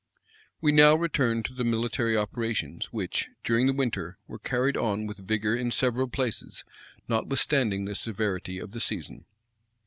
[] We now return to the military operations, which, during the winter, were carried on with vigor in several places, notwithstanding the severity of the season.